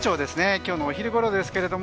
今日のお昼ごろですけれども。